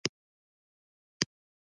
ژبه د دین پيغام خپروي